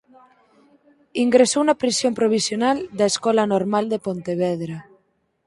Ingresou na prisión provisional da Escola Normal de Pontevedra.